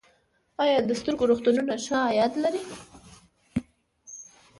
آیا د سترګو روغتونونه ښه عاید لري؟